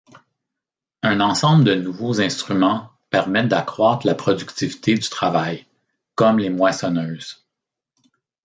Un ensemble de nouveaux instruments permettent d'accroitre la productivité du travail, comme les moissonneuses.